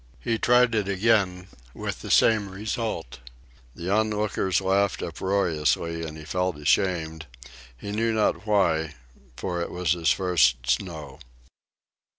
He tried it again, with the same result. The onlookers laughed uproariously, and he felt ashamed, he knew not why, for it was his first snow.